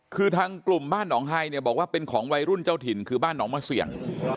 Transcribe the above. คือทางกลุ่มบ้านหนองไฮเนี่ยบอกว่าเป็นของวัยรุ่นเจ้าถิ่นคือบ้านหนองมะเสี่ยง